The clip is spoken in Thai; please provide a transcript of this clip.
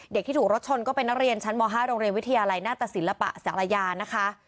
เด็กที่ถูกรถชนก็เป็นนักเรียนชั้นม๕โรงเรียนวิทยาลัยหน้าตศิลปะศาลยานะคะ